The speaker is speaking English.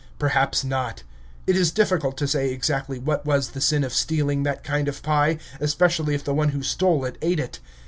Perhaps not. It is difficult to say exactly what was the sin of stealing that kind of pie, especially if the one who stole it ate it.